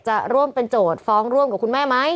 จะร่วมเป็นโจทย์ฟ้องร่วมกับคุณแม่ไหม